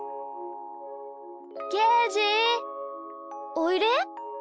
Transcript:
おいで？